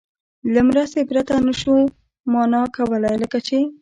له مرستې پرته نه شو مانا کولای، لکه چې